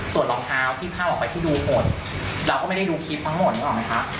ส่วนรองเท้าที่เข้าไปที่ดูผลเราก็ไม่ได้ดูคลิปทั้งหมดนึกออกไหมคะ